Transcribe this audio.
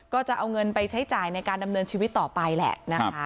ก็จะเอาเงินไปใช้จ่ายในการดำเนินชีวิตต่อไปแหละนะคะ